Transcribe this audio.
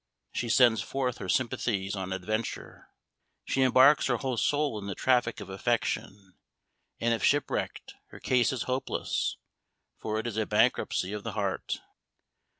She sends forth her sympathies on adventure; she embarks her whole soul in the traffic of affection; and if shipwrecked, her case is hopeless for it is a bankruptcy of the heart.